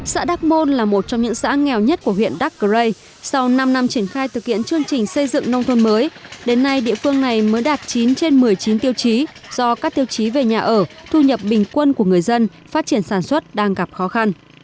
xã đắc môn là một trong những xã nghèo nhất của huyện đắk rây sau năm năm triển khai thực hiện chương trình xây dựng nông thôn mới đến nay địa phương này mới đạt chín trên một mươi chín tiêu chí do các tiêu chí về nhà ở thu nhập bình quân của người dân phát triển sản xuất đang gặp khó khăn